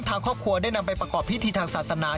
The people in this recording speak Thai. ทางครอบครัวได้นำไปประกอบพิธีทางศาสนา